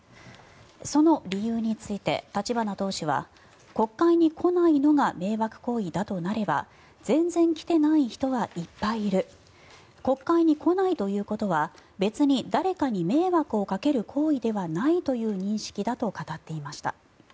その理由について立花党首は国会に来ないのが迷惑行為だとなれば全然来てない人はいっぱいいる国会に来ないということは別に誰かに迷惑をかける行為ではないという認識だと語っていました。